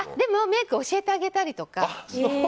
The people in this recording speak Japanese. メイク教えてあげたりとか。